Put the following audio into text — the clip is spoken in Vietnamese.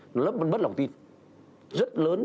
rất là bất lòng tin rất lớn